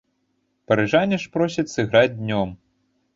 Парыжане ж просяць сыграць днём.